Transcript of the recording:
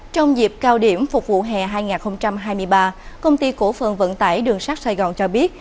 trong dịp cao điểm phục vụ hè hai nghìn hai mươi ba công ty cổ phận vận tải đường sắt sài gòn cho biết